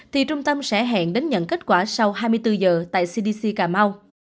thì trung tâm sẽ hẹn đến nhận kết quả sau hai mươi bốn giờ tại cdc cà mau